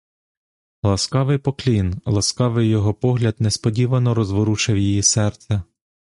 Ласкавий поклін, ласкавий його погляд несподівано розворушив її серце.